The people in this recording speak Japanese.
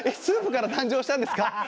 スープから誕生したんですか？